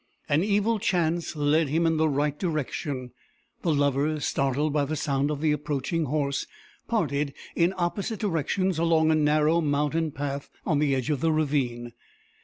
An evil chance led him in the right direction. The lovers, startled by the sound of the approaching horse, parted in opposite directions along a narrow mountain path on the edge of the ravine.